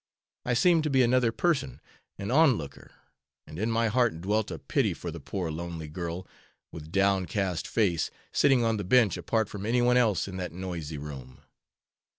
I seemed to be another person an on looker and in my heart dwelt a pity for the poor, lonely girl, with down cast face, sitting on the bench apart from anyone else in that noisy room.